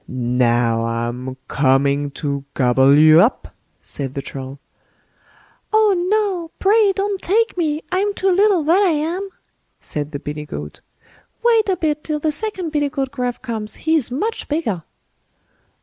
"Now, I'm coming to gobble you up", said the Troll. "Oh, no! pray don't take me. I'm too little, that I am", said the billy goat; "wait a bit till the second billy goat Gruff comes, he's much bigger."